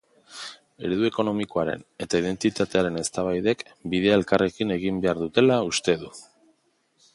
Eredu ekonomikoaren eta identitatearen eztabaidek bidea elkarrekin egin behar dutela uste du.